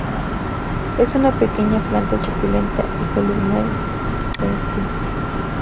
Es una pequeña planta suculenta columnar y con espinos.